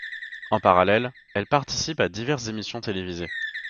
En parallèle, elle participe à diverses émissions télévisées.